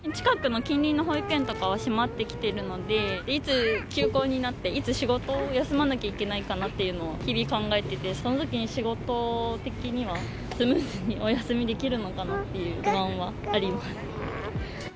近くの、近隣の保育園とかは閉まってきているので、いつ休校になって、いつ仕事を休まなきゃいけないかなっていうのを日々考えてて、そのときに仕事的には、スムーズにお休みできるのかなっていう不安はあります。